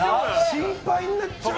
心配になっちゃうわ。